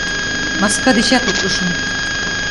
Маска дечат утлышым;